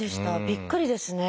びっくりですね。